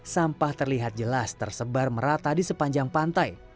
sampah terlihat jelas tersebar merata di sepanjang pantai